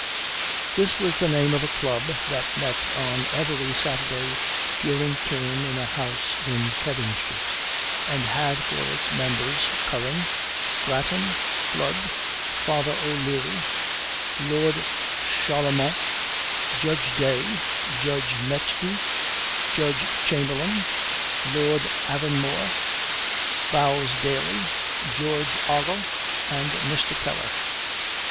This was the name of a club that met on every Saturday during term in a house in Kevin street, and had for its members Curran, Grattan, Flood, Father O'Leary, Lord Charlemont, Judge Day, Judge Metge, Judge Chamberlaine, Lord Avonmore, Bowes Daly, George Ogle, and Mr. Keller.